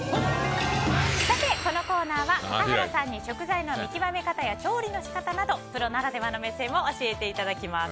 このコーナーは笠原さんに食材の見極め方や調理の仕方などプロならではの目線を教えていただきます。